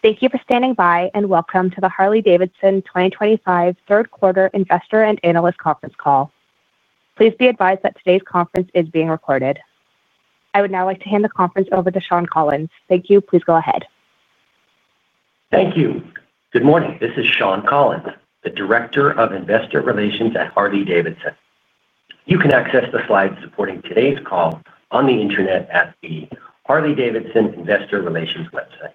Thank you for standing by and welcome to the Harley-Davidson 2025 third quarter Investor and Analyst conference call. Please be advised that today's conference is being recorded. I would now like to hand the conference over to Shawn Collins. Thank you. Please go ahead. Thank you. Good morning. This is Shawn Collins, the Director of Investor Relations at Harley-Davidson. You can access the slides supporting today's call on the internet at the Harley-Davidson Investor Relations website.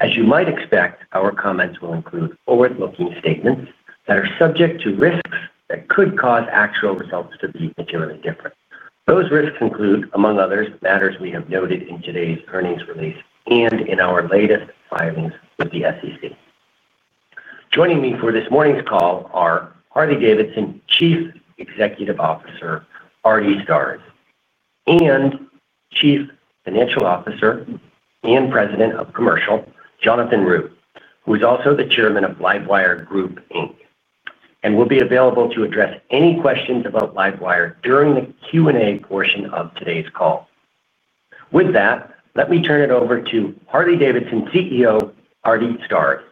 As you might expect, our comments will include forward-looking statements that are subject to risks that could cause actual results to be materially different. Those risks include, among others, matters we have noted in today's earnings release and in our latest filings with the SEC. Joining me for this morning's call are Harley-Davidson Chief Executive Officer Artie Starrs and Chief Financial Officer and President of Commercial Jonathan Root, who is also the Chairman of LiveWire Group Inc, and will be available to address any questions about LiveWire during the Q&A portion of today's call. With that, let me turn it over to Harley-Davidson CEO Artie Starrs.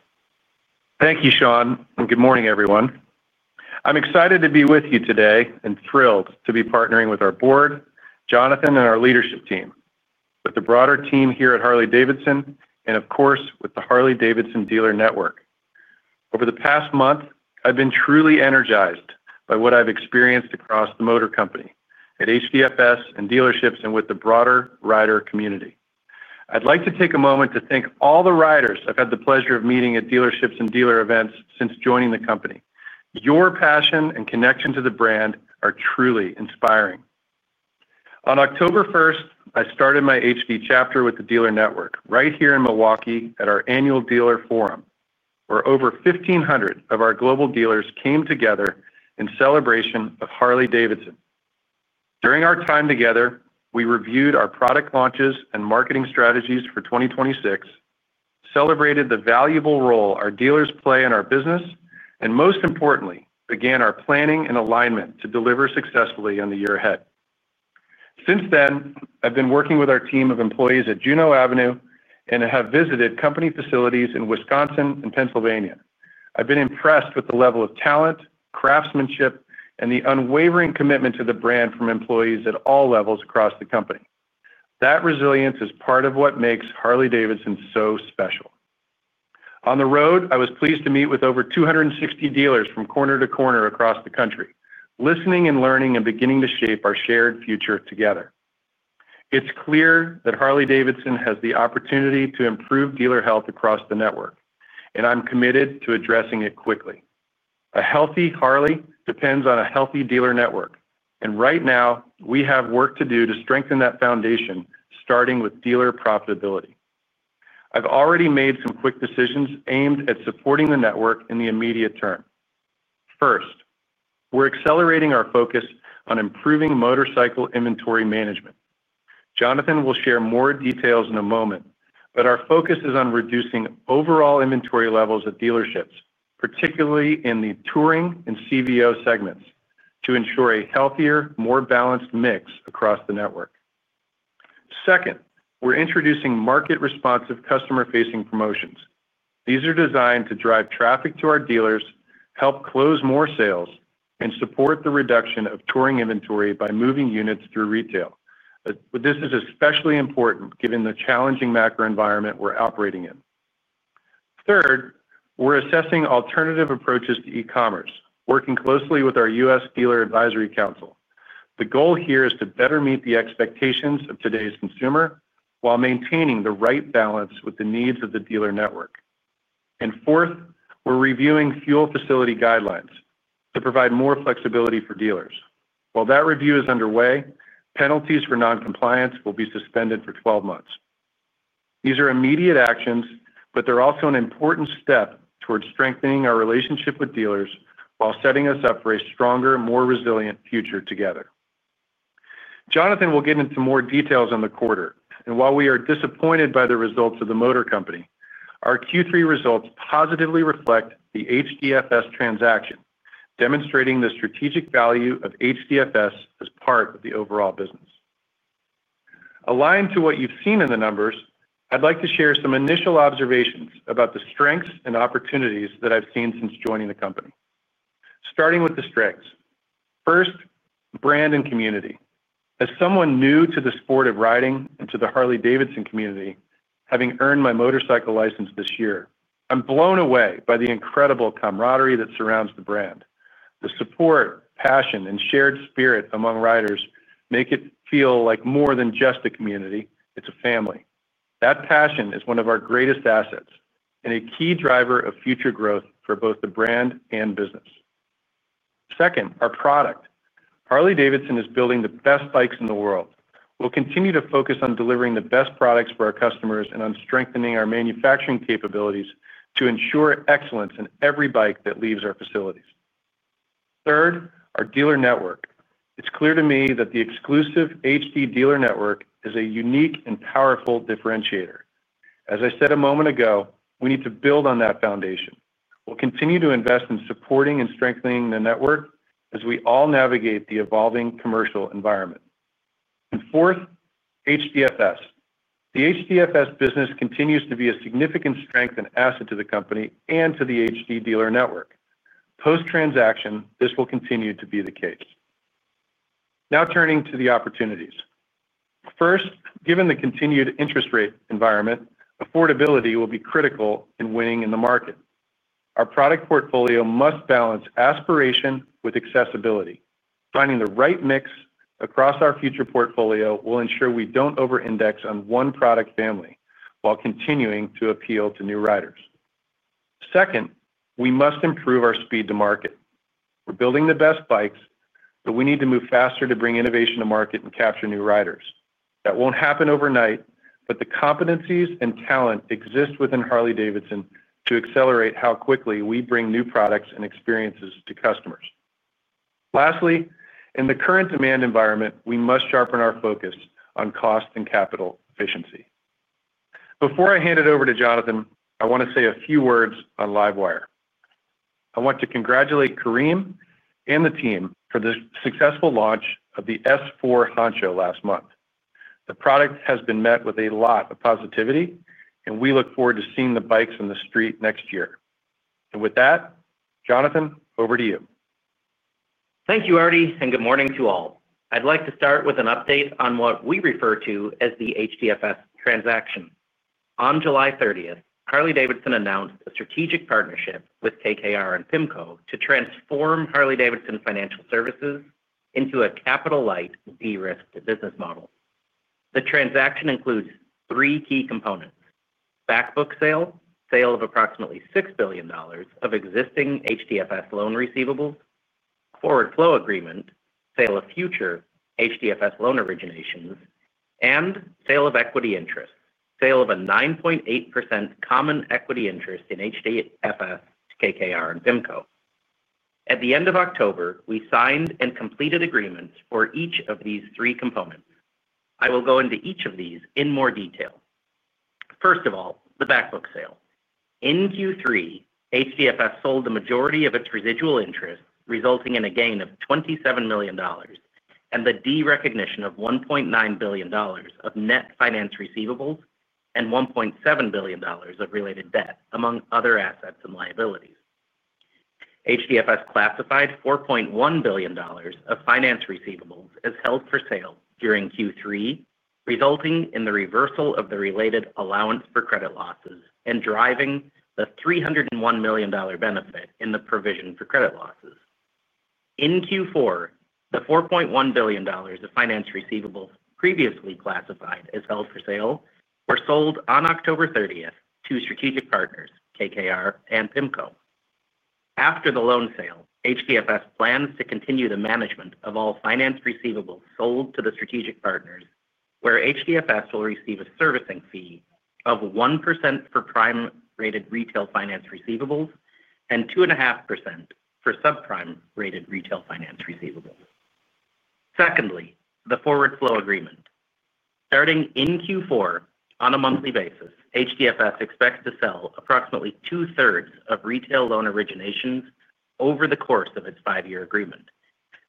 Thank you, Sean. And good morning, everyone. I'm excited to be with you today and thrilled to be partnering with our Board, Jonathan, and our leadership team, with the broader team here at Harley-Davidson, and of course, with the Harley-Davidson Dealer Network. Over the past month, I've been truly energized by what I've experienced across the motor company at HDFS and dealerships and with the broader rider community. I'd like to take a moment to thank all the riders I've had the pleasure of meeting at dealerships and dealer events since joining the company. Your passion and connection to the brand are truly inspiring. On October 1st, I started my HD chapter with the dealer network right here in Milwaukee at our annual dealer forum, where over 1,500 of our global dealers came together in celebration of Harley-Davidson. During our time together, we reviewed our product launches and marketing strategies for 2026. Celebrated the valuable role our dealers play in our business, and most importantly, began our planning and alignment to deliver successfully on the year ahead. Since then, I've been working with our team of employees at Juneau Avenue and have visited company facilities in Wisconsin and Pennsylvania. I've been impressed with the level of talent, craftsmanship, and the unwavering commitment to the brand from employees at all levels across the company. That resilience is part of what makes Harley-Davidson so special. On the road, I was pleased to meet with over 260 dealers from corner-to-corner across the country, listening and learning and beginning to shape our shared future together. It's clear that Harley-Davidson has the opportunity to improve dealer health across the network, and I'm committed to addressing it quickly. A healthy Harley depends on a healthy dealer network, and right now, we have work to do to strengthen that foundation, starting with dealer profitability. I've already made some quick decisions aimed at supporting the network in the immediate term. First, we're accelerating our focus on improving motorcycle inventory management. Jonathan will share more details in a moment, but our focus is on reducing overall inventory levels at dealerships, particularly in the touring and CVO segments, to ensure a healthier, more balanced mix across the network. Second, we're introducing market-responsive, customer-facing promotions. These are designed to drive traffic to our dealers, help close more sales, and support the reduction of touring inventory by moving units through retail. This is especially important given the challenging macro environment we're operating in. Third, we're assessing alternative approaches to e-commerce, working closely with our U.S. Dealer Advisory Council. The goal here is to better meet the expectations of today's consumer while maintaining the right balance with the needs of the dealer network. And fourth, we're reviewing full facility guidelines to provide more flexibility for dealers. While that review is underway, penalties for non-compliance will be suspended for 12 months. These are immediate actions, but they're also an important step toward strengthening our relationship with dealers while setting us up for a stronger, more resilient future together. Jonathan will get into more details on the quarter, and while we are disappointed by the results of the motor company, our Q3 results positively reflect the HDFS transaction, demonstrating the strategic value of HDFS as part of the overall business. Aligned to what you've seen in the numbers, I'd like to share some initial observations about the strengths and opportunities that I've seen since joining the company. Starting with the strengths. First, brand and community. As someone new to the sport of riding and to the Harley-Davidson community, having earned my motorcycle license this year, I'm blown away by the incredible camaraderie that surrounds the brand. The support, passion, and shared spirit among riders make it feel like more than just a community; it's a family. That passion is one of our greatest assets and a key driver of future growth for both the brand and business. Second, our product. Harley-Davidson is building the best bikes in the world. We'll continue to focus on delivering the best products for our customers and on strengthening our manufacturing capabilities to ensure excellence in every bike that leaves our facilities. Third, our dealer network. It's clear to me that the exclusive HD dealer network is a unique and powerful differentiator. As I said a moment ago, we need to build on that foundation. We'll continue to invest in supporting and strengthening the network as we all navigate the evolving commercial environment. And fourth, HDFS. The HDFS business continues to be a significant strength and asset to the company and to the HD dealer network. Post-transaction, this will continue to be the case. Now turning to the opportunities. First, given the continued interest rate environment, affordability will be critical in winning in the market. Our product portfolio must balance aspiration with accessibility. Finding the right mix across our future portfolio will ensure we don't over-index on one product family while continuing to appeal to new riders. Second, we must improve our speed to market. We're building the best bikes, but we need to move faster to bring innovation to market and capture new riders. That won't happen overnight, but the competencies and talent exist within Harley-Davidson to accelerate how quickly we bring new products and experiences to customers. Lastly, in the current demand environment, we must sharpen our focus on cost and capital efficiency. Before I hand it over to Jonathan, I want to say a few words on LiveWire. I want to congratulate Karim and the team for the successful launch of the S4 Honcho last month. The product has been met with a lot of positivity, and we look forward to seeing the bikes on the street next year. And with that, Jonathan, over to you. Thank you, Artie, and good morning to all. I'd like to start with an update on what we refer to as the HDFS transaction. On July 30th, Harley-Davidson announced a strategic partnership with KKR and PIMCO to transform Harley-Davidson Financial Services into a capital-light, de-risked business model. The transaction includes three key components: backbook sale, sale of approximately $6 billion of existing HDFS loan receivables, forward flow agreement, sale of future HDFS loan originations, and sale of equity interests, sale of a 9.8% common equity interest in HDFS to KKR and PIMCO. At the end of October, we signed and completed agreements for each of these three components. I will go into each of these in more detail. First of all, the backbook sale. In Q3, HDFS sold the majority of its residual interest, resulting in a gain of $27 million and the derecognition of $1.9 billion of net finance receivables and $1.7 billion of related debt, among other assets and liabilities. HDFS classified $4.1 billion of finance receivables as held for sale during Q3, resulting in the reversal of the related allowance for credit losses and driving the $301 million benefit in the provision for credit losses. In Q4, the $4.1 billion of finance receivables previously classified as held for sale were sold on October 30th to strategic partners, KKR and PIMCO. After the loan sale, HDFS plans to continue the management of all finance receivables sold to the strategic partners, where HDFS will receive a servicing fee of 1% for prime-rated retail finance receivables and 2.5% for subprime-rated retail finance receivables. Secondly, the forward flow agreement. Starting in Q4, on a monthly basis, HDFS expects to sell approximately two-thirds of retail loan originations over the course of its five-year agreement.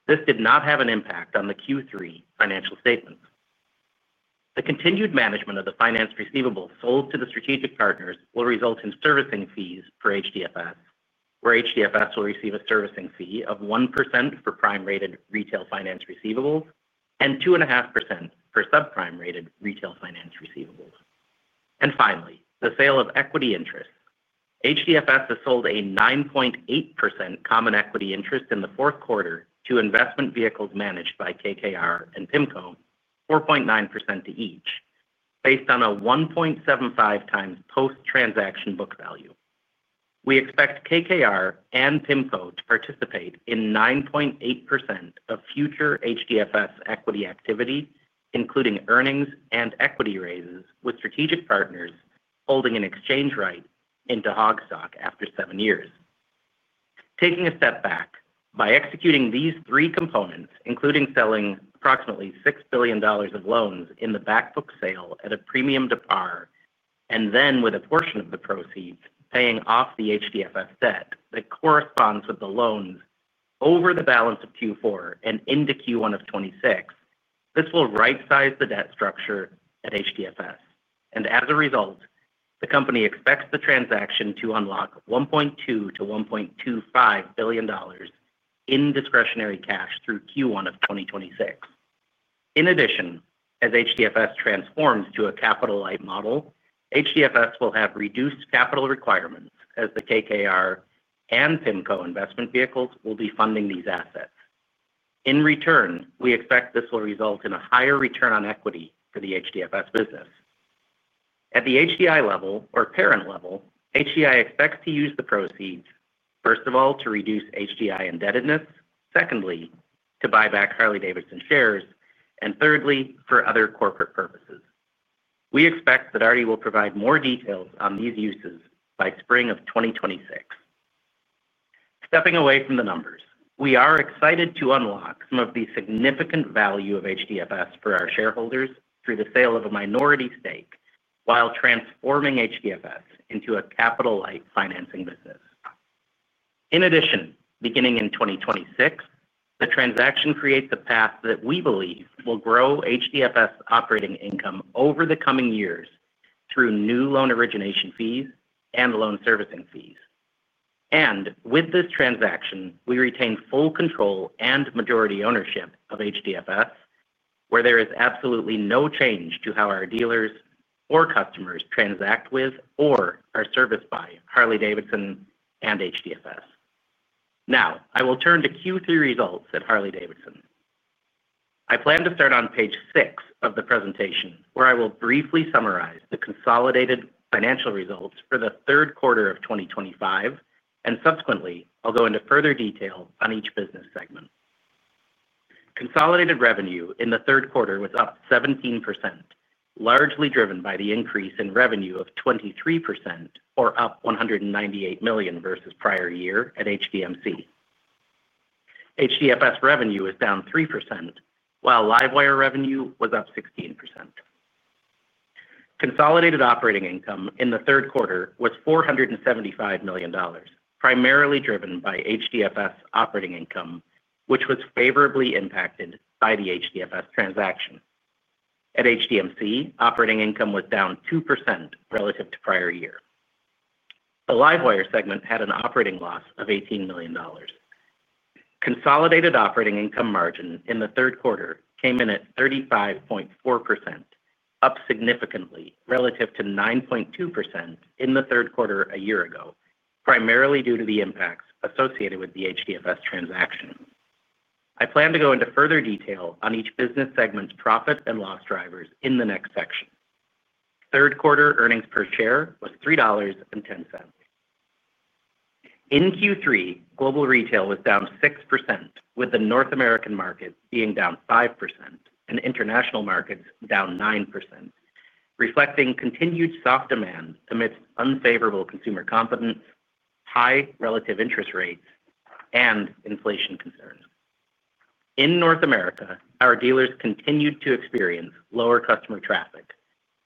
This did not have an impact on the Q3 financial statements. The continued management of the finance receivables sold to the strategic partners will result in servicing fees for HDFS, where HDFS will receive a servicing fee of 1% for prime-rated retail finance receivables and 2.5% for subprime-rated retail finance receivables. And finally, the sale of equity interests. HDFS has sold a 9.8% common equity interest in the fourth quarter to investment vehicles managed by KKR and PIMCO, 4.9% to each. Based on a 1.75x post-transaction book value. We expect KKR and PIMCO to participate in 9.8% of future HDFS equity activity, including earnings and equity raises with strategic partners holding an exchange rate into HOG stock after seven years. Taking a step back, by executing these three components, including selling approximately $6 billion of loans in the backbook sale at a premium to par, and then with a portion of the proceeds paying off the HDFS debt that corresponds with the loans over the balance of Q4 and into Q1 of 2026, this will right-size the debt structure at HDFS, and as a result, the company expects the transaction to unlock $1.2 billion-$1.25 billion in discretionary cash through Q1 of 2026. In addition, as HDFS transforms to a capital-light model, HDFS will have reduced capital requirements as the KKR and PIMCO investment vehicles will be funding these assets. In return, we expect this will result in a higher return on equity for the HDFS business. At the HDI level or parent level, HDI expects to use the proceeds, first of all, to reduce HDI indebtedness, secondly, to buy back Harley-Davidson shares, and thirdly, for other corporate purposes. We expect that Artie will provide more details on these uses by spring of 2026. Stepping away from the numbers, we are excited to unlock some of the significant value of HDFS for our shareholders through the sale of a minority stake while transforming HDFS into a capital-light financing business. In addition, beginning in 2026, the transaction creates a path that we believe will grow HDFS operating income over the coming years through new loan origination fees and loan servicing fees, and with this transaction, we retain full control and majority ownership of HDFS, where there is absolutely no change to how our dealers or customers transact with or are serviced by Harley-Davidson and HDFS. Now, I will turn to Q3 results at Harley-Davidson. I plan to start on page six of the presentation where I will briefly summarize the consolidated financial results for the third quarter of 2025, and subsequently, I'll go into further detail on each business segment. Consolidated revenue in the third quarter was up 17%, largely driven by the increase in revenue of 23%, or up $198 million versus prior year at HDMC. HDFS revenue is down 3%, while LiveWire revenue was up 16%. Consolidated operating income in the third quarter was $475 million, primarily driven by HDFS operating income, which was favorably impacted by the HDFS transaction. At HDMC, operating income was down 2% relative to prior year. The LiveWire segment had an operating loss of $18 million. Consolidated operating income margin in the third quarter came in at 35.4%, up significantly relative to 9.2% in the third quarter a year ago, primarily due to the impacts associated with the HDFS transaction. I plan to go into further detail on each business segment's profit and loss drivers in the next section. Third quarter earnings per share was $3.10. In Q3, global retail was down 6%, with the North American market being down 5% and international markets down 9%, reflecting continued soft demand amidst unfavorable consumer confidence, high relative interest rates, and inflation concerns. In North America, our dealers continued to experience lower customer traffic.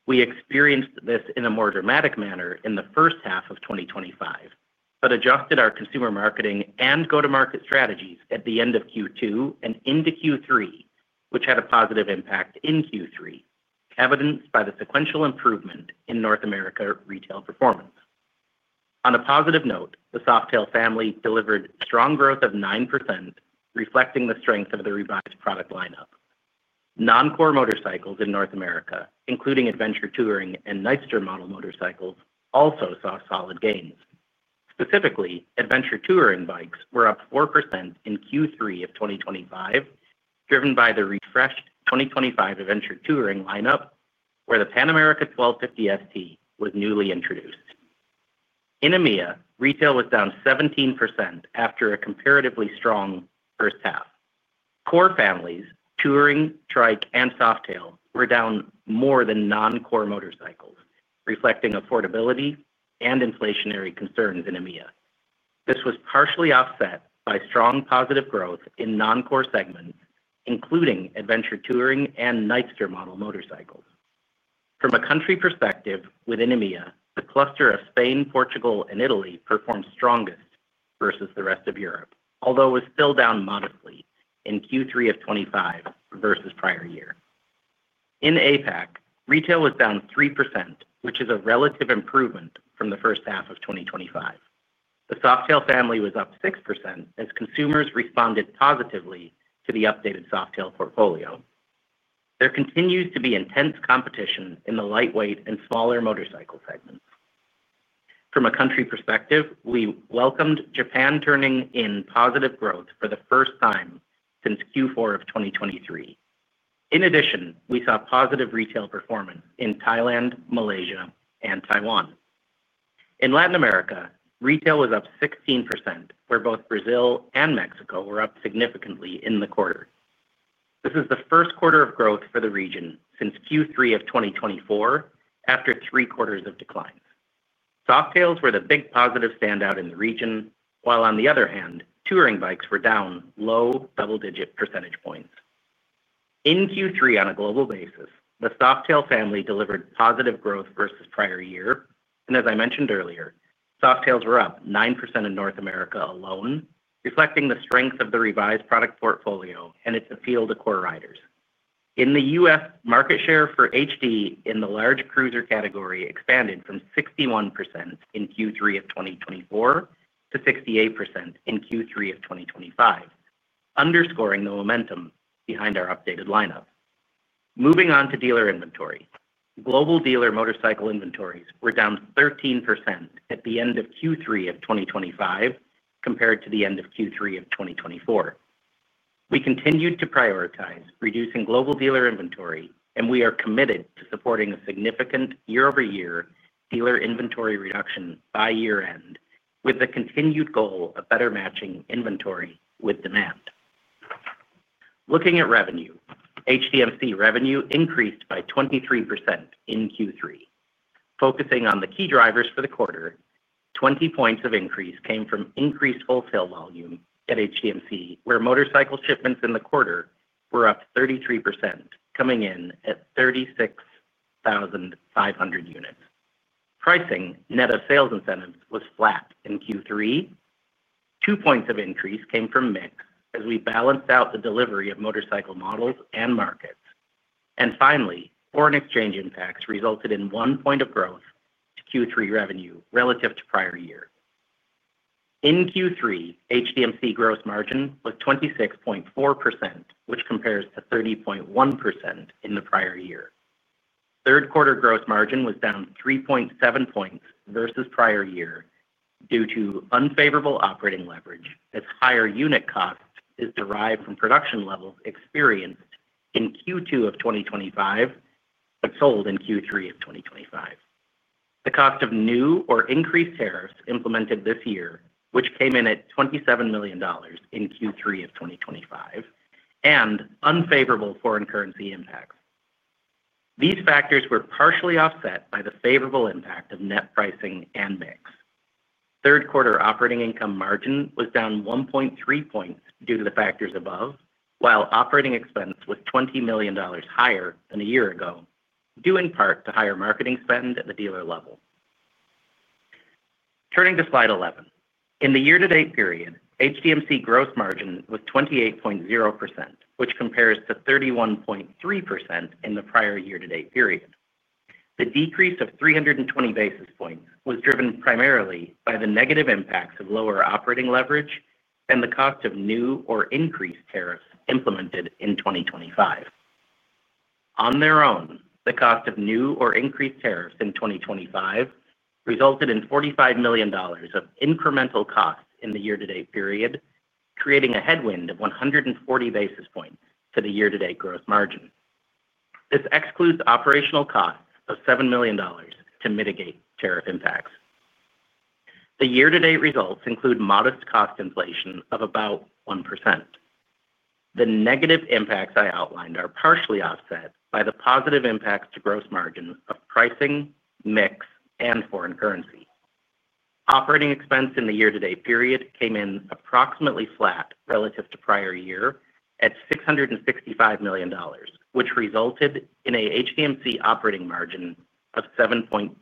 We experienced this in a more dramatic manner in the first half of 2025, but adjusted our consumer marketing and go-to-market strategies at the end of Q2 and into Q3, which had a positive impact in Q3, evidenced by the sequential improvement in North America retail performance. On a positive note, the Softail family delivered strong growth of 9%, reflecting the strength of the revised product lineup. Non-core motorcycles in North America, including Adventure Touring and Nightster model motorcycles, also saw solid gains. Specifically, Adventure Touring bikes were up 4% in Q3 of 2025, driven by the refreshed 2025 Adventure Touring lineup, where the Pan America 1250 ST was newly introduced. In EMEA, retail was down 17% after a comparatively strong first half. Core families, Touring, Trike, and Softail were down more than non-core motorcycles, reflecting affordability and inflationary concerns in EMEA. This was partially offset by strong positive growth in non-core segments, including Adventure Touring and Nightster model motorcycles. From a country perspective within EMEA, the cluster of Spain, Portugal, and Italy performed strongest versus the rest of Europe, although it was still down modestly in Q3 of 2025 versus prior year. In APAC, retail was down 3%, which is a relative improvement from the first half of 2025. The Softail family was up 6% as consumers responded positively to the updated Softail portfolio. There continues to be intense competition in the lightweight and smaller motorcycle segments. From a country perspective, we welcomed Japan turning in positive growth for the first time since Q4 of 2023. In addition, we saw positive retail performance in Thailand, Malaysia, and Taiwan. In Latin America, retail was up 16%, where both Brazil and Mexico were up significantly in the quarter. This is the first quarter of growth for the region since Q3 of 2024, after three quarters of declines. Softails were the big positive standout in the region, while on the other hand, Touring bikes were down low double-digit percentage points. In Q3, on a global basis, the Softail family delivered positive growth versus prior year. And as I mentioned earlier, Softails were up 9% in North America alone, reflecting the strength of the revised product portfolio and its appeal to core riders. In the U.S., market share for HD in the large cruiser category expanded from 61% in Q3 of 2024 to 68% in Q3 of 2025, underscoring the momentum behind our updated lineup. Moving on to dealer inventory, global dealer motorcycle inventories were down 13% at the end of Q3 of 2025 compared to the end of Q3 of 2024. We continued to prioritize reducing global dealer inventory, and we are committed to supporting a significant year-over-year dealer inventory reduction by year-end with the continued goal of better matching inventory with demand. Looking at revenue, HDMC revenue increased by 23% in Q3. Focusing on the key drivers for the quarter, 20 points of increase came from increased wholesale volume at HDMC, where motorcycle shipments in the quarter were up 33%, coming in at 36,500 units. Pricing net of sales incentives was flat in Q3. Two points of increase came from mix as we balanced out the delivery of motorcycle models and markets. And finally, foreign exchange impacts resulted in one point of growth to Q3 revenue relative to prior year. In Q3, HDMC gross margin was 26.4%, which compares to 30.1% in the prior year. Third quarter gross margin was down 3.7 points versus prior year due to unfavorable operating leverage, as higher unit cost is derived from production levels experienced in Q2 of 2025 but sold in Q3 of 2025. The cost of new or increased tariffs implemented this year, which came in at $27 million in Q3 of 2025, and unfavorable foreign currency impacts. These factors were partially offset by the favorable impact of net pricing and mix. Third quarter operating income margin was down 1.3 points due to the factors above, while operating expense was $20 million higher than a year ago, due in part to higher marketing spend at the dealer level. Turning to slide 11, in the year-to-date period, HDMC gross margin was 28.0%, which compares to 31.3% in the prior year-to-date period. The decrease of 320 basis points was driven primarily by the negative impacts of lower operating leverage and the cost of new or increased tariffs implemented in 2025. On their own, the cost of new or increased tariffs in 2025 resulted in $45 million of incremental costs in the year-to-date period, creating a headwind of 140 basis points to the year-to-date gross margin. This excludes operational costs of $7 million to mitigate tariff impacts. The year-to-date results include modest cost inflation of about 1%. The negative impacts I outlined are partially offset by the positive impacts to gross margin of pricing, mix, and foreign currency. Operating expense in the year-to-date period came in approximately flat relative to prior year at $665 million, which resulted in an HDMC operating margin of 7.2%,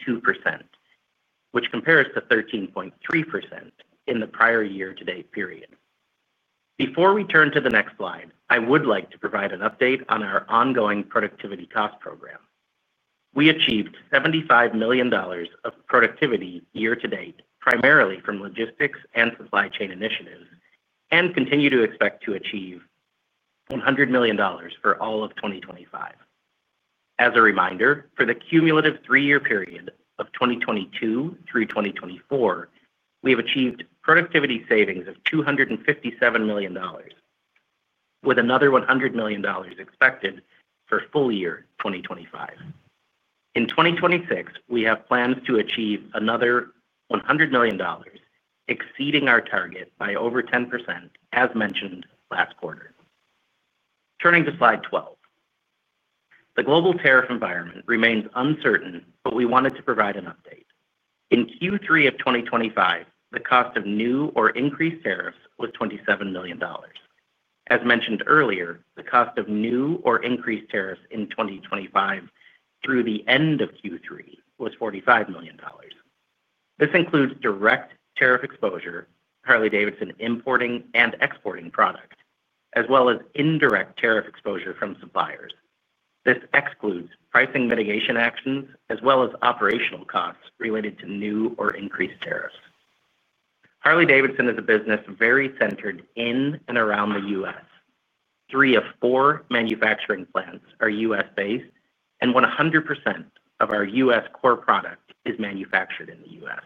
which compares to 13.3% in the prior year-to-date period. Before we turn to the next slide, I would like to provide an update on our ongoing productivity cost program. We achieved $75 million of productivity year-to-date, primarily from logistics and supply chain initiatives, and continue to expect to achieve $100 million for all of 2025. As a reminder, for the cumulative three-year period of 2022 through 2024, we have achieved productivity savings of $257 million, with another $100 million expected for full year 2025. In 2026, we have plans to achieve another $100 million, exceeding our target by over 10%, as mentioned last quarter. Turning to slide 12. The global tariff environment remains uncertain, but we wanted to provide an update. In Q3 of 2025, the cost of new or increased tariffs was $27 million. As mentioned earlier, the cost of new or increased tariffs in 2025 through the end of Q3 was $45 million. This includes direct tariff exposure, Harley-Davidson importing and exporting product, as well as indirect tariff exposure from suppliers. This excludes pricing mitigation actions as well as operational costs related to new or increased tariffs. Harley-Davidson is a business very centered in and around the U.S. Three of four manufacturing plants are U.S.-based, and 100% of our U.S. core product is manufactured in the U.S.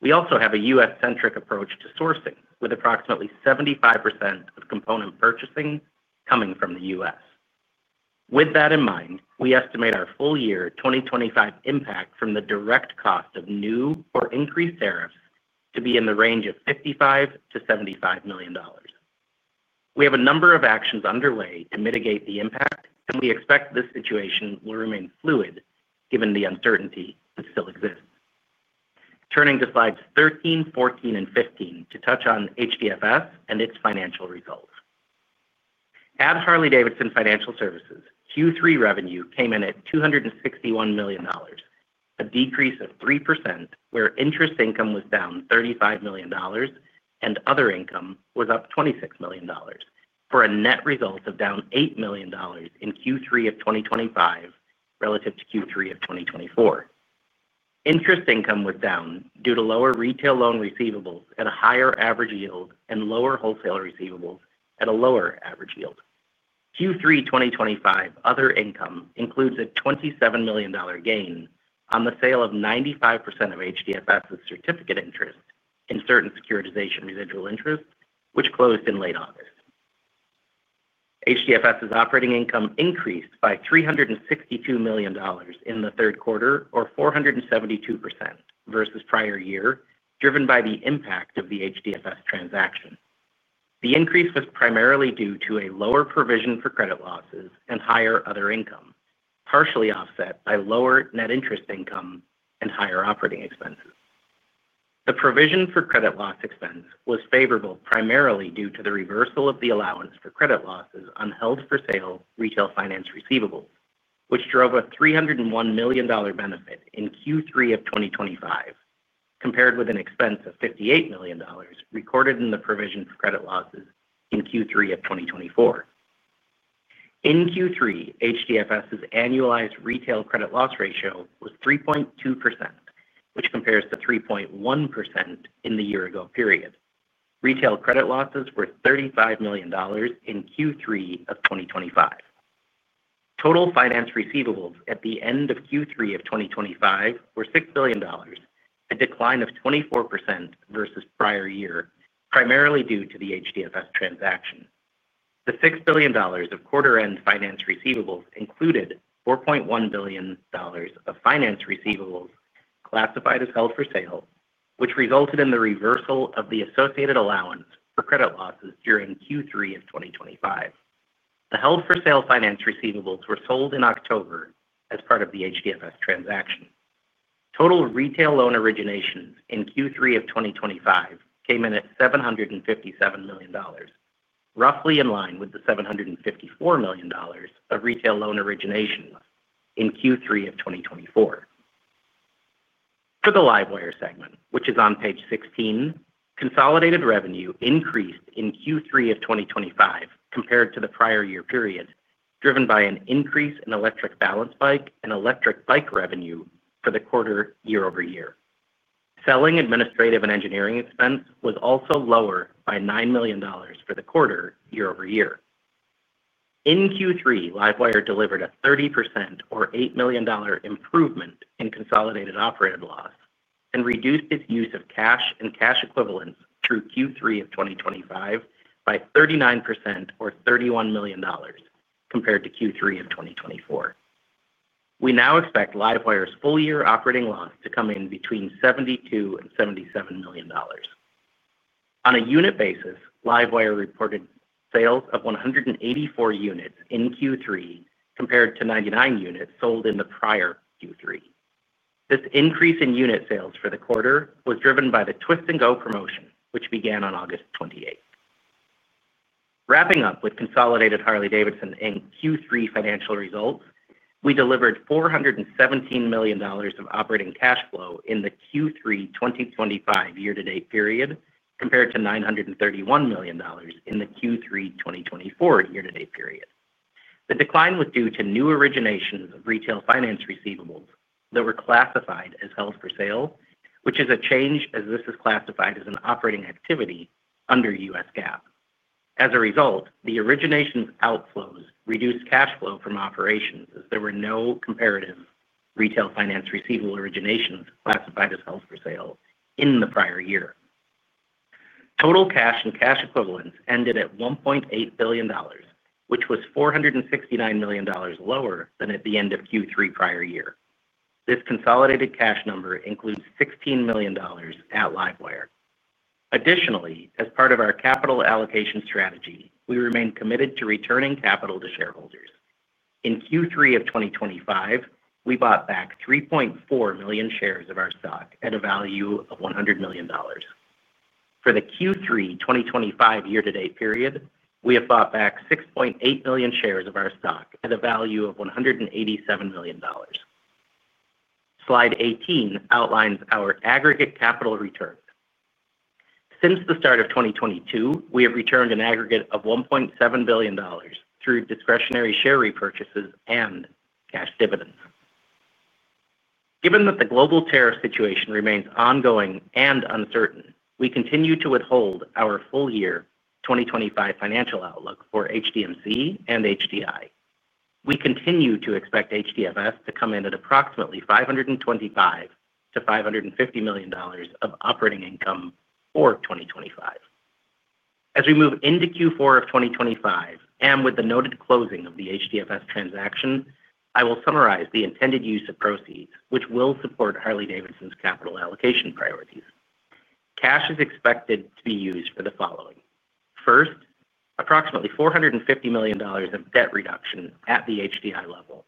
We also have a U.S.-centric approach to sourcing, with approximately 75% of component purchasing coming from the U.S. With that in mind, we estimate our full year 2025 impact from the direct cost of new or increased tariffs to be in the range of $55 million-$75 million. We have a number of actions underway to mitigate the impact, and we expect this situation will remain fluid given the uncertainty that still exists. Turning to slides 13, 14, and 15 to touch on HDFS and its financial results. At Harley-Davidson Financial Services, Q3 revenue came in at $261 million, a decrease of 3%, where interest income was down $35 million, and other income was up $26 million, for a net result of down $8 million in Q3 of 2025 relative to Q3 of 2024. Interest income was down due to lower retail loan receivables at a higher average yield and lower wholesale receivables at a lower average yield. Q3 2025 other income includes a $27 million gain on the sale of 95% of HDFS's certificate interest in certain securitization residual interest, which closed in late August. HDFS's operating income increased by $362 million in the third quarter, or 472% versus prior year, driven by the impact of the HDFS transaction. The increase was primarily due to a lower provision for credit losses and higher other income, partially offset by lower net interest income and higher operating expenses. The provision for credit loss expense was favorable primarily due to the reversal of the allowance for credit losses on held-for-sale retail finance receivables, which drove a $301 million benefit in Q3 of 2025, compared with an expense of $58 million recorded in the provision for credit losses in Q3 of 2024. In Q3, HDFS's annualized retail credit loss ratio was 3.2%, which compares to 3.1% in the year-ago period. Retail credit losses were $35 million in Q3 of 2025. Total finance receivables at the end of Q3 of 2025 were $6 billion, a decline of 24% versus prior year, primarily due to the HDFS transaction. The $6 billion of quarter-end finance receivables included $4.1 billion of finance receivables classified as held-for-sale, which resulted in the reversal of the associated allowance for credit losses during Q3 of 2025. The held-for-sale finance receivables were sold in October as part of the HDFS transaction. Total retail loan originations in Q3 of 2025 came in at $757 million, roughly in line with the $754 million of retail loan originations in Q3 of 2024. For the LiveWire segment, which is on page 16, consolidated revenue increased in Q3 of 2025 compared to the prior year period, driven by an increase in electric balance bike and electric bike revenue for the quarter year-over-year. Selling administrative and engineering expense was also lower by $9 million for the quarter year-over-year. In Q3, LiveWire delivered a 30%, or $8 million, improvement in consolidated operating loss and reduced its use of cash and cash equivalents through Q3 of 2025 by 39%, or $31 million, compared to Q3 of 2024. We now expect LiveWire's full-year operating loss to come in between $72 million and $77 million. On a unit basis, LiveWire reported sales of 184 units in Q3 compared to 99 units sold in the prior Q3. This increase in unit sales for the quarter was driven by the Twist and Go promotion, which began on August 28th. Wrapping up with consolidated Harley-Davidson and Q3 financial results, we delivered $417 million of operating cash flow in the Q3 2025 year-to-date period compared to $931 million in the Q3 2024 year-to-date period. The decline was due to new originations of retail finance receivables that were classified as held-for-sale, which is a change as this is classified as an operating activity under U.S. GAAP. As a result, the originations outflows reduced cash flow from operations as there were no comparative retail finance receivable originations classified as held-for-sale in the prior year. Total cash and cash equivalents ended at $1.8 billion, which was $469 million lower than at the end of Q3 prior year. This consolidated cash number includes $16 million at LiveWire. Additionally, as part of our capital allocation strategy, we remain committed to returning capital to shareholders. In Q3 of 2025, we bought back 3.4 million shares of our stock at a value of $100 million. For the Q3 2025 year-to-date period, we have bought back 6.8 million shares of our stock at a value of $187 million. Slide 18 outlines our aggregate capital return. Since the start of 2022, we have returned an aggregate of $1.7 billion through discretionary share repurchases and cash dividends. Given that the global tariff situation remains ongoing and uncertain, we continue to withhold our full year 2025 financial outlook for HDMC and HDI. We continue to expect HDFS to come in at approximately $525 million-$550 million of operating income for 2025. As we move into Q4 of 2025 and with the noted closing of the HDFS transaction, I will summarize the intended use of proceeds, which will support Harley-Davidson's capital allocation priorities. Cash is expected to be used for the following. First, approximately $450 million of debt reduction at the HDI level.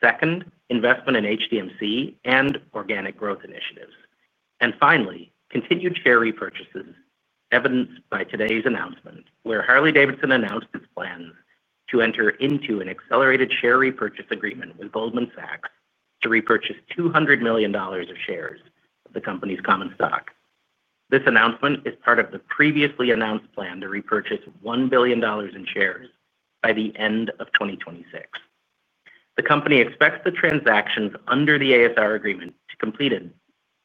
Second, investment in HDMC and organic growth initiatives. And finally, continued share repurchases evidenced by today's announcement where Harley-Davidson announced its plans to enter into an accelerated share repurchase agreement with Goldman Sachs to repurchase $200 million of shares of the company's common stock. This announcement is part of the previously announced plan to repurchase $1 billion in shares by the end of 2026. The company expects the transactions under the ASR agreement to complete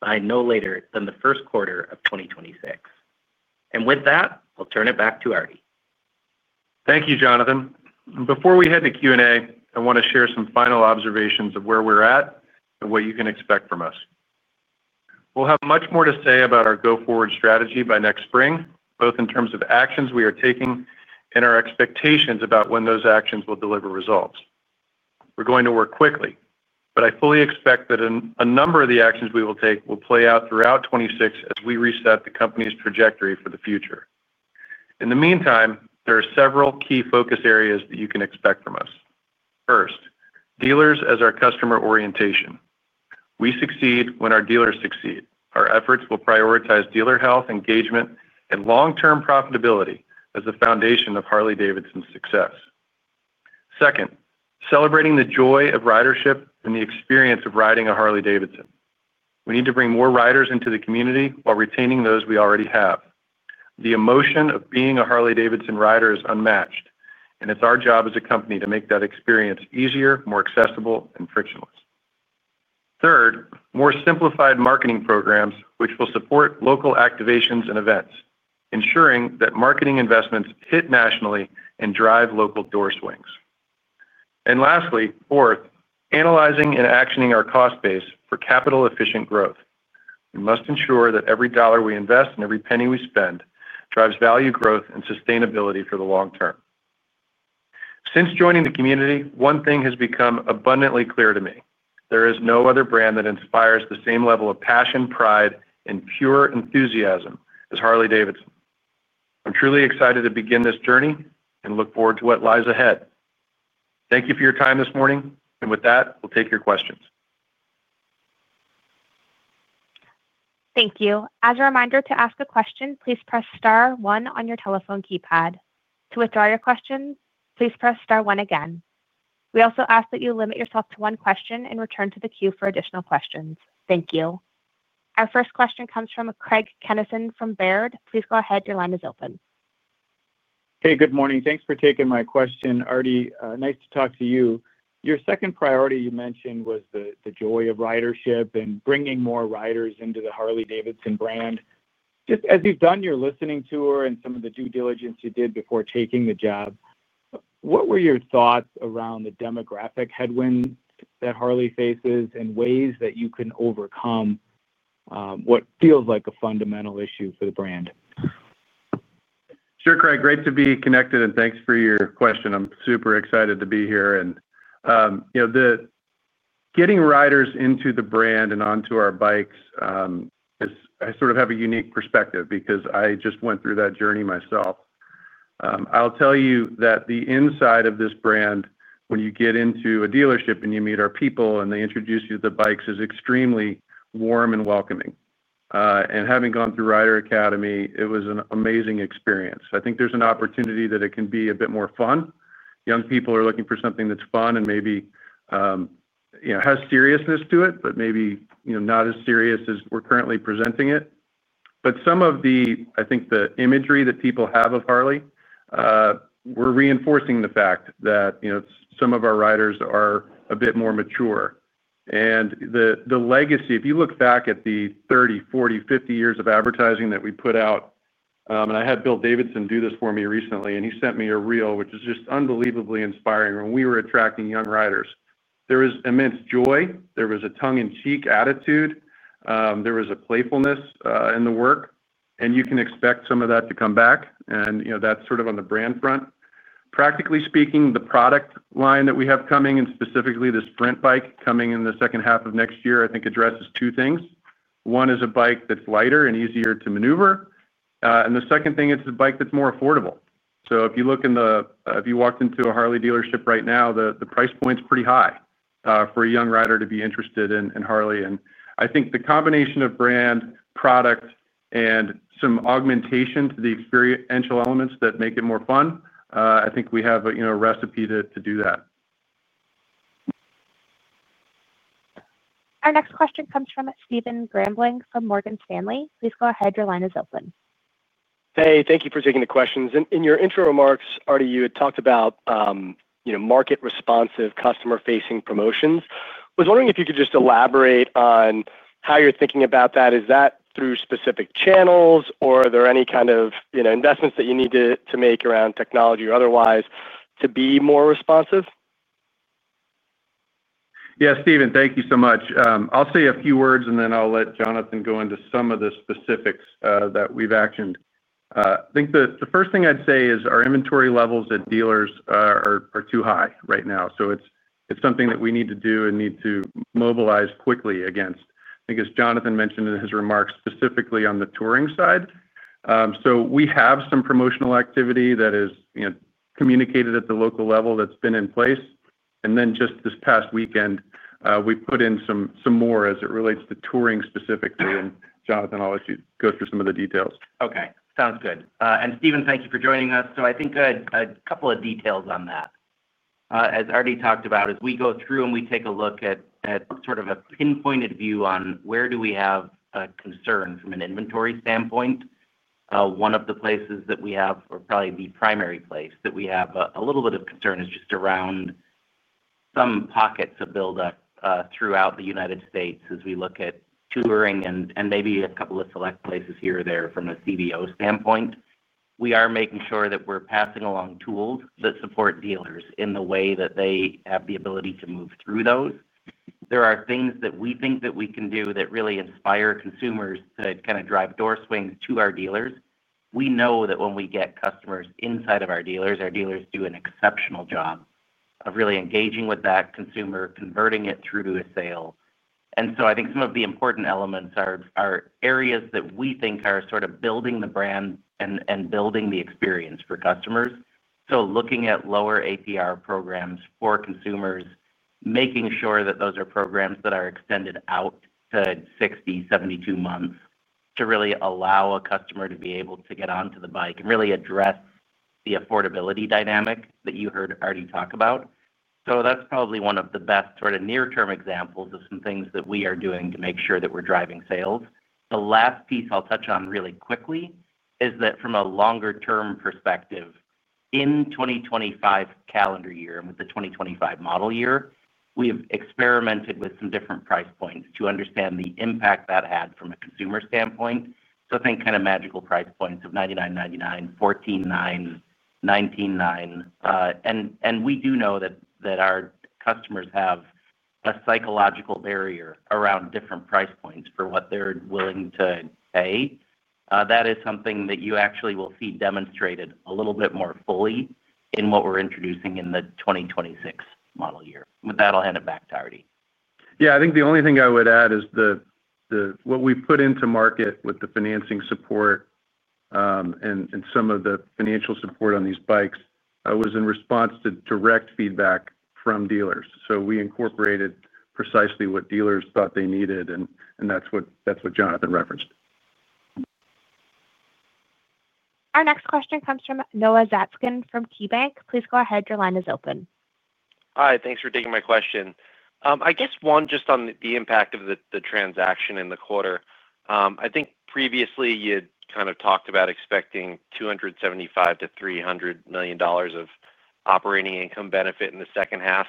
by no later than the first quarter of 2026. And with that, I'll turn it back to Artie. Thank you, Jonathan. Before we head to Q&A, I want to share some final observations of where we're at and what you can expect from us. We'll have much more to say about our go-forward strategy by next spring, both in terms of actions we are taking and our expectations about when those actions will deliver results. We're going to work quickly, but I fully expect that a number of the actions we will take will play out throughout 2026 as we reset the company's trajectory for the future. In the meantime, there are several key focus areas that you can expect from us. First, dealers as our customer orientation. We succeed when our dealers succeed. Our efforts will prioritize dealer health, engagement, and long-term profitability as the foundation of Harley-Davidson's success. Second, celebrating the joy of ridership and the experience of riding a Harley-Davidson. We need to bring more riders into the community while retaining those we already have. The emotion of being a Harley-Davidson rider is unmatched, and it's our job as a company to make that experience easier, more accessible, and frictionless. Third, more simplified marketing programs, which will support local activations and events, ensuring that marketing investments hit nationally and drive local door swings. And lastly, fourth, analyzing and actioning our cost base for capital-efficient growth. We must ensure that every dollar we invest and every penny we spend drives value growth and sustainability for the long term. Since joining the community, one thing has become abundantly clear to me: there is no other brand that inspires the same level of passion, pride, and pure enthusiasm as Harley-Davidson. I'm truly excited to begin this journey and look forward to what lies ahead. Thank you for your time this morning. And with that, we'll take your questions. Thank you. As a reminder, to ask a question, please press star one on your telephone keypad. To withdraw your question, please press star one again. We also ask that you limit yourself to one question and return to the queue for additional questions. Thank you. Our first question comes from Craig Kennison from Baird. Please go ahead. Your line is open. Hey, good morning. Thanks for taking my question, Artie. Nice to talk to you. Your second priority you mentioned was the joy of ridership and bringing more riders into the Harley-Davidson brand. Just as you've done your listening tour and some of the due diligence you did before taking the job, what were your thoughts around the demographic headwinds that Harley faces and ways that you can overcome what feels like a fundamental issue for the brand? Sure, Craig. Great to be connected, and thanks for your question. I'm super excited to be here and getting riders into the brand and onto our bikes. I sort of have a unique perspective because I just went through that journey myself. I'll tell you that the inside of this brand, when you get into a dealership and you meet our people and they introduce you to the bikes, is extremely warm and welcoming, and having gone through Rider Academy, it was an amazing experience. I think there's an opportunity that it can be a bit more fun. Young people are looking for something that's fun and maybe has seriousness to it, but maybe not as serious as we're currently presenting it, but some of the, I think, the imagery that people have of Harley we're reinforcing the fact that some of our riders are a bit more mature, and the legacy, if you look back at the 30, 40, 50 years of advertising that we put out and I had Bill Davidson do this for me recently, and he sent me a reel, which is just unbelievably inspiring. When we were attracting young riders, there was immense joy. There was a tongue-in-cheek attitude. There was a playfulness in the work, and you can expect some of that to come back, and that's sort of on the brand front. Practically speaking, the product line that we have coming and specifically this Sprint bike coming in the second half of next year, I think, addresses two things. One is a bike that's lighter and easier to maneuver, and the second thing, it's a bike that's more affordable. So if you look in the, if you walked into a Harley dealership right now, the price point's pretty high for a young rider to be interested in Harley, and I think the combination of brand, product, and some augmentation to the experiential elements that make it more fun, I think we have a recipe to do that. Our next question comes from Stephen Grambling from Morgan Stanley. Please go ahead. Your line is open. Hey, thank you for taking the questions. In your intro remarks, Artie, you had talked about market-responsive, customer-facing promotions. I was wondering if you could just elaborate on how you're thinking about that. Is that through specific channels, or are there any kind of investments that you need to make around technology or otherwise to be more responsive? Yeah, Stephen, thank you so much. I'll say a few words, and then I'll let Jonathan go into some of the specifics that we've actioned. I think the first thing I'd say is our inventory levels at dealers are too high right now. So it's something that we need to do and need to mobilize quickly against, I think, as Jonathan mentioned in his remarks, specifically on the touring side. So we have some promotional activity that is communicated at the local level that's been in place. And then just this past weekend, we put in some more as it relates to touring specifically. And Jonathan, I'll let you go through some of the details. Okay. Sounds good. And Stephen, thank you for joining us. So I think a couple of details on that. As Artie talked about, as we go through and we take a look at sort of a pinpointed view on where do we have a concern from an inventory standpoint. One of the places that we have, or probably the primary place that we have a little bit of concern is just around some pockets of build-up throughout the United States as we look at touring and maybe a couple of select places here or there from a CVO standpoint. We are making sure that we're passing along tools that support dealers in the way that they have the ability to move through those. There are things that we think that we can do that really inspire consumers to kind of drive door swings to our dealers. We know that when we get customers inside of our dealers, our dealers do an exceptional job of really engaging with that consumer, converting it through to a sale. And so I think some of the important elements are areas that we think are sort of building the brand and building the experience for customers. So looking at lower APR programs for consumers, making sure that those are programs that are extended out to 60, 72 months to really allow a customer to be able to get onto the bike and really address the affordability dynamic that you heard Artie talk about. So that's probably one of the best sort of near-term examples of some things that we are doing to make sure that we're driving sales. The last piece I'll touch on really quickly is that from a longer-term perspective, in 2025 calendar year and with the 2025 model year, we have experimented with some different price points to understand the impact that had from a consumer standpoint. So I think kind of magical price points of $99.99, $14.99, $19.99. And we do know that our customers have a psychological barrier around different price points for what they're willing to pay. That is something that you actually will see demonstrated a little bit more fully in what we're introducing in the 2026 model year. With that, I'll hand it back to Artie. Yeah, I think the only thing I would add is what we put into market with the financing support and some of the financial support on these bikes was in response to direct feedback from dealers. So we incorporated precisely what dealers thought they needed, and that's what Jonathan referenced. Our next question comes from Noah Zatzkin from KeyBanc. Please go ahead. Your line is open. Hi. Thanks for taking my question. I guess one just on the impact of the transaction in the quarter. I think previously you'd kind of talked about expecting $275 million-$300 million of operating income benefit in the second half.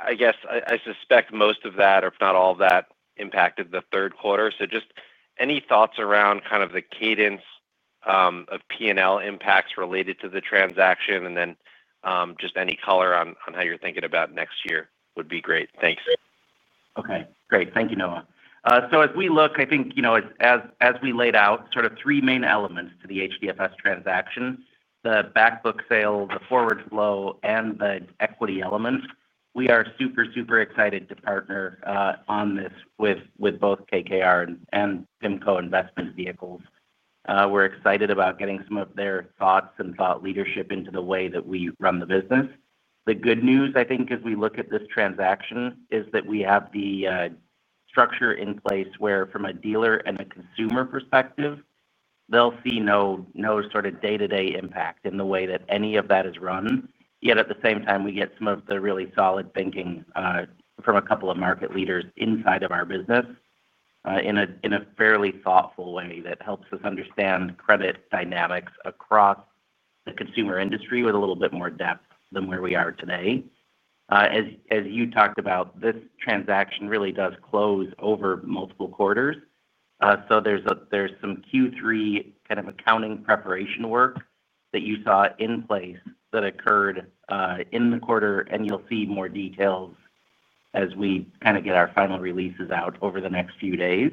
I guess I suspect most of that, if not all of that, impacted the third quarter. So just any thoughts around kind of the cadence of P&L impacts related to the transaction and then just any color on how you're thinking about next year would be great. Thanks. Okay. Great. Thank you, Noah. So as we look, I think as we laid out sort of three main elements to the HDFS transaction, the backbook sale, the forward flow, and the equity element, we are super, super excited to partner on this with both KKR and PIMCO Investment Vehicles. We're excited about getting some of their thoughts and thought leadership into the way that we run the business. The good news, I think, as we look at this transaction, is that we have the structure in place where from a dealer and a consumer perspective, they'll see no sort of day-to-day impact in the way that any of that is run. Yet at the same time, we get some of the really solid thinking from a couple of market leaders inside of our business. In a fairly thoughtful way that helps us understand credit dynamics across the consumer industry with a little bit more depth than where we are today. As you talked about, this transaction really does close over multiple quarters. So there's some Q3 kind of accounting preparation work that you saw in place that occurred in the quarter, and you'll see more details as we kind of get our final releases out over the next few days.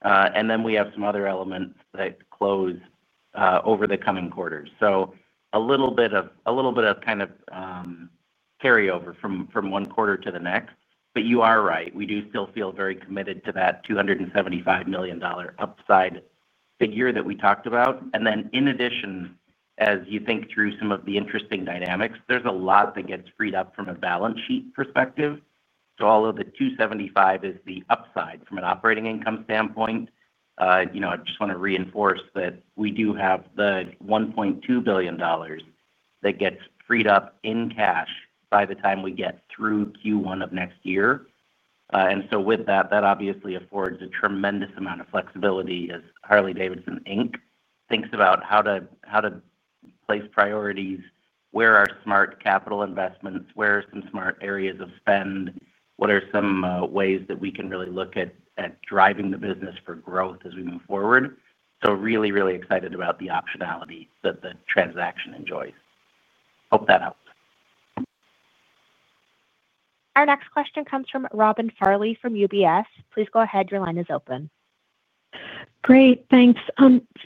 And then we have some other elements that close over the coming quarters. So a little bit of kind of carryover from one quarter to the next. But you are right. We do still feel very committed to that $275 million upside figure that we talked about. And then in addition, as you think through some of the interesting dynamics, there's a lot that gets freed up from a balance sheet perspective. So all of the $275 million is the upside from an operating income standpoint. I just want to reinforce that we do have the $1.2 billion that gets freed up in cash by the time we get through Q1 of next year. And so with that, that obviously affords a tremendous amount of flexibility as Harley-Davidson, Inc thinks about how to place priorities, where are smart capital investments, where are some smart areas of spend, what are some ways that we can really look at driving the business for growth as we move forward. So really, really excited about the optionality that the transaction enjoys. Hope that helps. Our next question comes from Robin Farley from UBS. Please go ahead. Your line is open. Great. Thanks.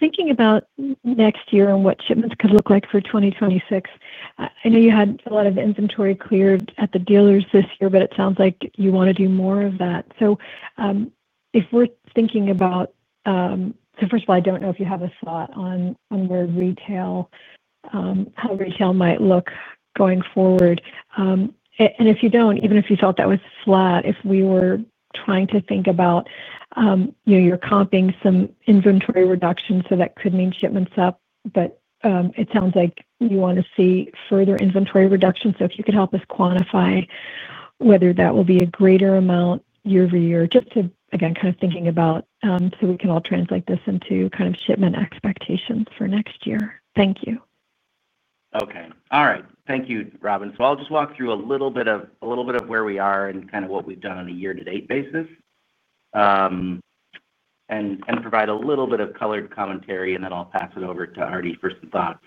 Thinking about next year and what shipments could look like for 2026, I know you had a lot of inventory cleared at the dealers this year, but it sounds like you want to do more of that. So. If we're thinking about. So first of all, I don't know if you have a thought on how retail might look going forward. And if you don't, even if you thought that was flat, if we were trying to think about. You're comping some inventory reduction, so that could mean shipments up, but it sounds like you want to see further inventory reduction. So if you could help us quantify whether that will be a greater amount year-over-year, just to, again, kind of thinking about so we can all translate this into kind of shipment expectations for next year. Thank you. Okay. All right. Thank you, Robin. So I'll just walk through a little bit of where we are and kind of what we've done on a year-to-date basis. And provide a little bit of color commentary, and then I'll pass it over to Artie for some thoughts.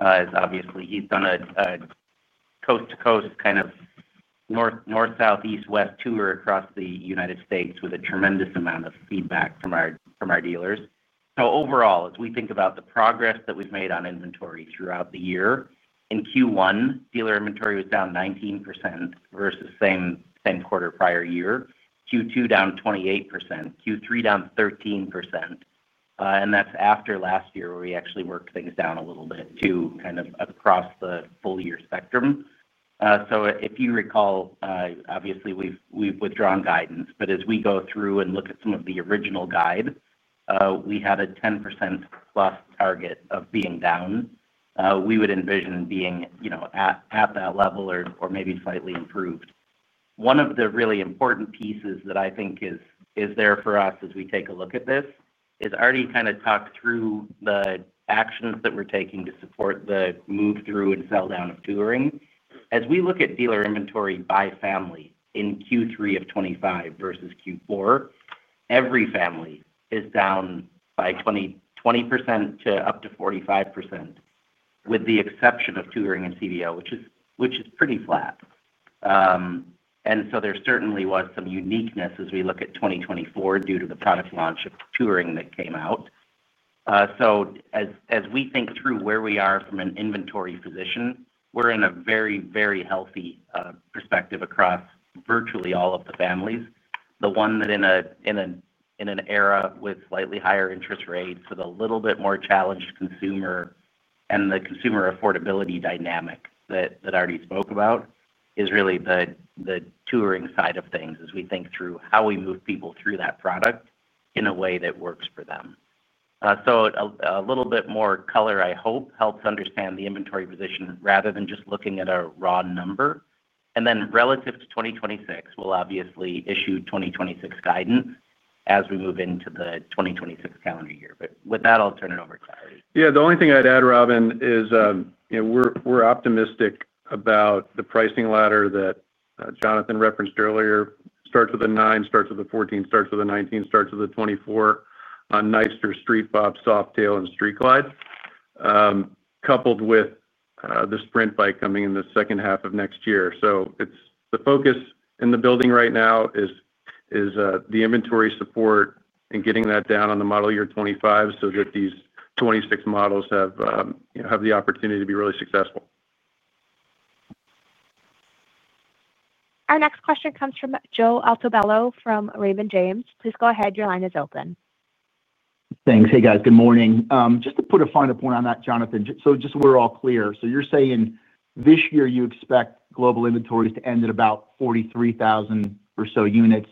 Obviously, he's done a coast-to-coast kind of North-South-East-West tour across the United States with a tremendous amount of feedback from our dealers. So overall, as we think about the progress that we've made on inventory throughout the year, in Q1, dealer inventory was down 19% versus same quarter prior year. Q2 down 28%, Q3 down 13%. And that's after last year where we actually worked things down a little bit too kind of across the full year spectrum. So if you recall, obviously, we've withdrawn guidance, but as we go through and look at some of the original guide, we had a 10%+ target of being down. We would envision being at that level or maybe slightly improved. One of the really important pieces that I think is there for us as we take a look at this is Artie kind of talked through the actions that we're taking to support the move-through and sell-down of touring. As we look at dealer inventory by family in Q3 of 2025 versus Q4, every family is down by 20% up to 45% with the exception of touring and CVO, which is pretty flat. And so there certainly was some uniqueness as we look at 2024 due to the product launch of touring that came out. So as we think through where we are from an inventory position, we're in a very, very healthy perspective across virtually all of the families. The one that in an era with slightly higher interest rates with a little bit more challenged consumer and the consumer affordability dynamic that Artie spoke about is really the touring side of things as we think through how we move people through that product in a way that works for them. So a little bit more color, I hope, helps understand the inventory position rather than just looking at a raw number. And then relative to 2026, we'll obviously issue 2026 guidance as we move into the 2026 calendar year. But with that, I'll turn it over to Artie. Yeah. The only thing I'd add, Robin, is we're optimistic about the pricing ladder that Jonathan referenced earlier. Starts with a 9, starts with a 14, starts with a 19, starts with a 24 on Nightster, Street Bob, Softail and Street Glide. Coupled with. The Sprint bike coming in the second half of next year. So the focus in the building right now is the inventory support and getting that down on the model year 2025 so that these 2026 models have the opportunity to be really successful. Our next question comes from Joe Altobello from Raymond James. Please go ahead. Your line is open. Thanks. Hey, guys. Good morning. Just to put a finer point on that, Jonathan, so just so we're all clear, so you're saying this year you expect global inventories to end at about 43,000 or so units,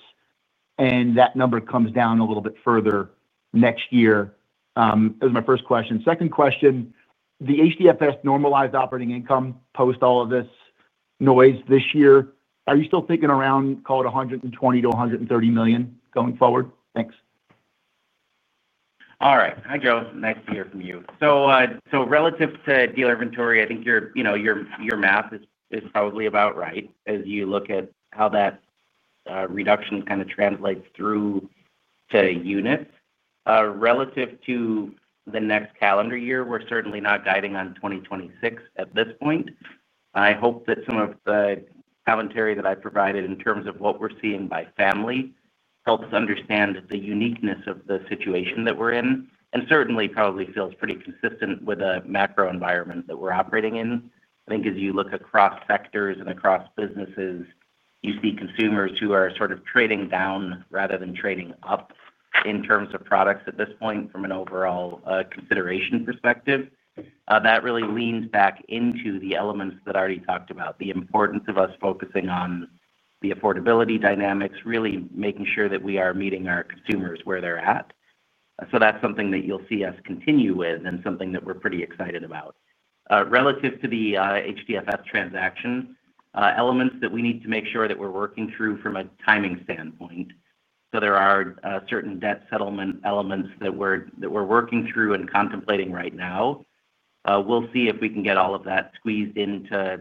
and that number comes down a little bit further next year. That was my first question. Second question, the HDFS normalized operating income post all of this noise this year, are you still thinking around, call it, $120 million-$130 million going forward? Thanks. All right. Hi, Joe. Nice to hear from you. So relative to dealer inventory, I think your math is probably about right as you look at how that reduction kind of translates through to units. Relative to the next calendar year, we're certainly not guiding on 2026 at this point. I hope that some of the commentary that I've provided in terms of what we're seeing by family helps understand the uniqueness of the situation that we're in and certainly probably feels pretty consistent with the macro environment that we're operating in. I think as you look across sectors and across businesses, you see consumers who are sort of trading down rather than trading up in terms of products at this point from an overall consideration perspective. That really leans back into the elements that Artie talked about, the importance of us focusing on the affordability dynamics, really making sure that we are meeting our consumers where they're at. So that's something that you'll see us continue with and something that we're pretty excited about. Relative to the HDFS transaction, elements that we need to make sure that we're working through from a timing standpoint. So there are certain debt settlement elements that we're working through and contemplating right now. We'll see if we can get all of that squeezed into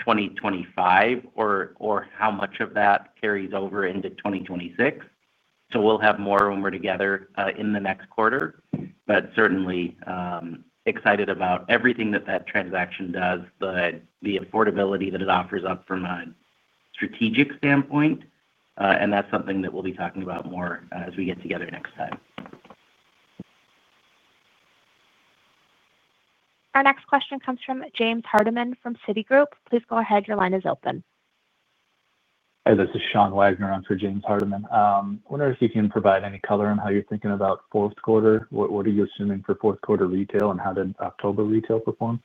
2025 or how much of that carries over into 2026. So we'll have more when we're together in the next quarter, but certainly excited about everything that that transaction does, the affordability that it offers up from a strategic standpoint and that's something that we'll be talking about more as we get together next time. Our next question comes from James Hardiman from Citigroup. Please go ahead. Your line is open. Hey, this is Sean Wagner on for James Hardiman. I wonder if you can provide any color on how you're thinking about fourth quarter. What are you assuming for fourth quarter retail and how did October retail perform?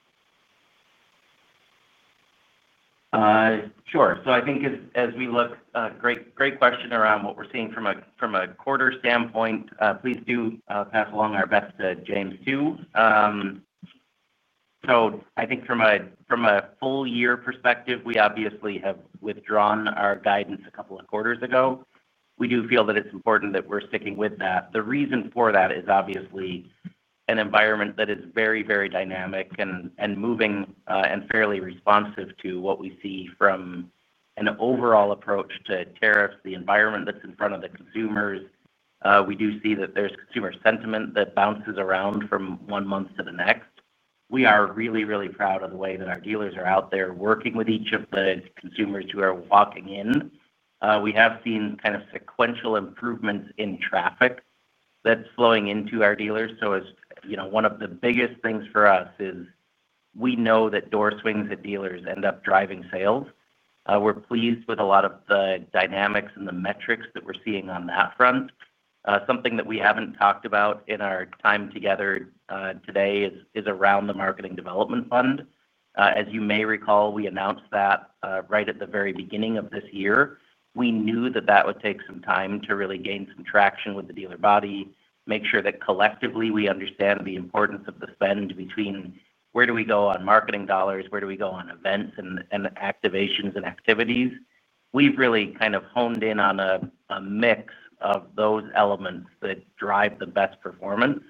Sure. So I think as we look, great question around what we're seeing from a quarter standpoint. Please do pass along our best to James too. So I think from a full year perspective, we obviously have withdrawn our guidance a couple of quarters ago. We do feel that it's important that we're sticking with that. The reason for that is obviously an environment that is very, very dynamic and moving and fairly responsive to what we see from an overall approach to tariffs, the environment that's in front of the consumers. We do see that there's consumer sentiment that bounces around from one month to the next. We are really, really proud of the way that our dealers are out there working with each of the consumers who are walking in. We have seen kind of sequential improvements in traffic that's flowing into our dealers. So one of the biggest things for us is we know that door swings at dealers end up driving sales. We're pleased with a lot of the dynamics and the metrics that we're seeing on that front. Something that we haven't talked about in our time together today is around the marketing development fund. As you may recall, we announced that right at the very beginning of this year. We knew that that would take some time to really gain some traction with the dealer body, make sure that collectively we understand the importance of the spend between where do we go on marketing dollars, where do we go on events and activations and activities. We've really kind of honed in on a mix of those elements that drive the best performance.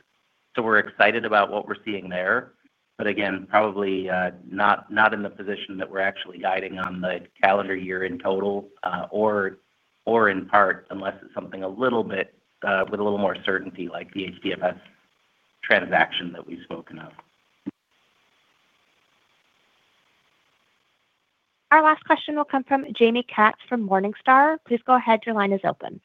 So we're excited about what we're seeing there. But again, probably not in the position that we're actually guiding on the calendar year in total or in part, unless it's something a little bit with a little more certainty like the HDFS transaction that we've spoken of. Our last question will come from Jaime Katz from Morningstar. Please go ahead. Your line is open.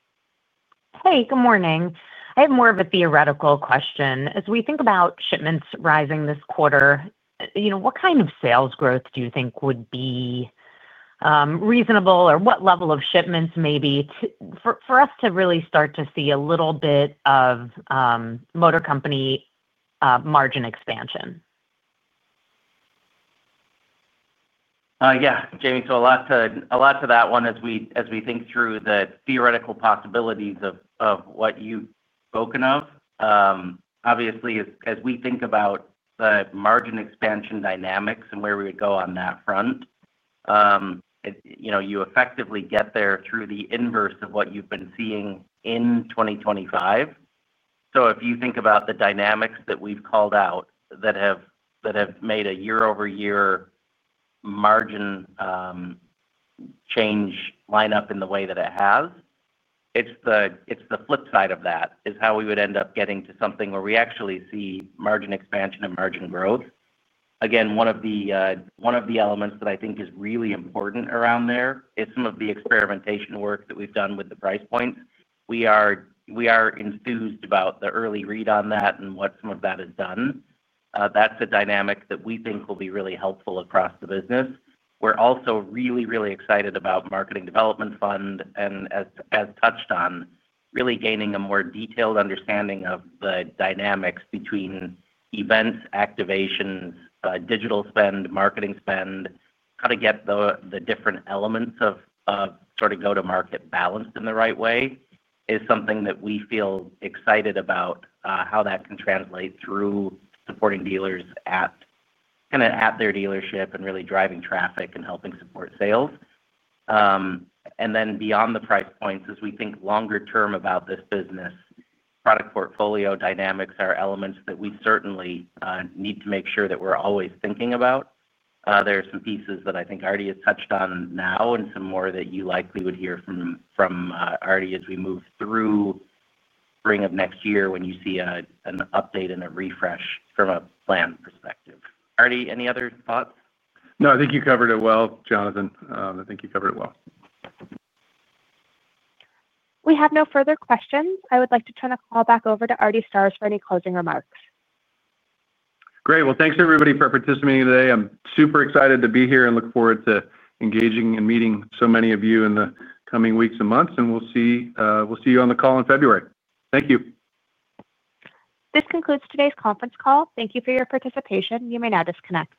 Hey, good morning. I have more of a theoretical question. As we think about shipments rising this quarter, what kind of sales growth do you think would be reasonable, or what level of shipments may be for us to really start to see a little bit of motor company margin expansion? Yeah. Jaimie, so a lot to that one as we think through the theoretical possibilities of what you've spoken of. Obviously, as we think about the margin expansion dynamics and where we would go on that front. You effectively get there through the inverse of what you've been seeing in 2025. So if you think about the dynamics that we've called out that have made a year-over-year margin change line up in the way that it has, it's the flip side of that is how we would end up getting to something where we actually see margin expansion and margin growth. Again, one of the elements that I think is really important around there is some of the experimentation work that we've done with the price points. We are enthused about the early read on that and what some of that has done. That's a dynamic that we think will be really helpful across the business. We're also really, really excited about marketing development fund and, as touched on, really gaining a more detailed understanding of the dynamics between events, activations, digital spend, marketing spend, how to get the different elements of sort of go-to-market balanced in the right way is something that we feel excited about how that can translate through supporting dealers at kind of at their dealership and really driving traffic and helping support sales. And then beyond the price points, as we think longer term about this business, product portfolio dynamics are elements that we certainly need to make sure that we're always thinking about. There are some pieces that I think Artie has touched on now and some more that you likely would hear from Artie as we move through spring of next year when you see an update and a refresh from a plan perspective. Artie, any other thoughts? No, I think you covered it well, Jonathan. I think you covered it well. We have no further questions. I would like to turn the call back over to Artie Starrs for any closing remarks. Great. Well, thanks everybody for participating today. I'm super excited to be here and look forward to engaging and meeting so many of you in the coming weeks and months, and we'll see you on the call in February. Thank you. This concludes today's conference call. Thank you for your participation. You may now disconnect.